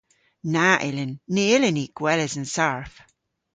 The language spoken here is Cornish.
Na yllyn. Ny yllyn ni gweles an sarf.